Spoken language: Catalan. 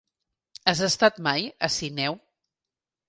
Has estat mai a Sineu?